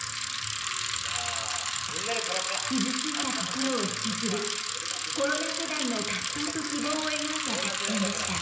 傷ついた心を引きずるコロナ世代の葛藤と希望を描いた作品でした。